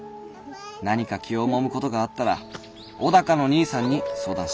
何か気をもむことがあったら尾高の兄さんに相談してください」。